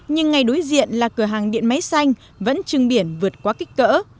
nhưng ngay đối diện là cửa hàng điện máy xanh vẫn chưng biển vượt qua kích cỡ